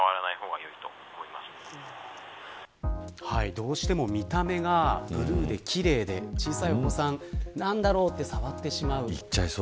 どうしても見た目がブルーで奇麗で小さいお子さん何だろうって触ってしまう。